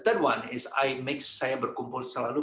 hal ketiga adalah saya berkumpul selalu